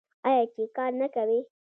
آیا چې کار نه کوي؟